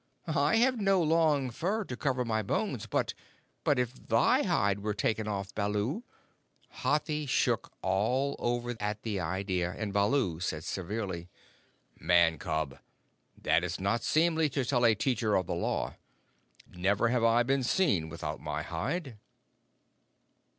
"I have no long fur to cover my bones, but but if thy hide were taken off, Baloo " Hathi shook all over at the idea, and Baloo said severely: "Man cub, that is not seemly to tell a Teacher of the Law. Never have I been seen without my hide."